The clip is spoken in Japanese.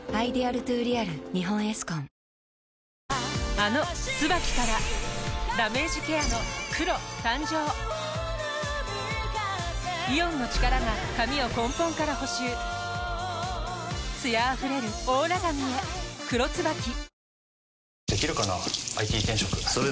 あの「ＴＳＵＢＡＫＩ」からダメージケアの黒誕生イオンの力が髪を根本から補修艶あふれるオーラ髪へ「黒ＴＳＵＢＡＫＩ」